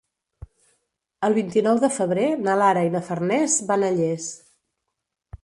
El vint-i-nou de febrer na Lara i na Farners van a Llers.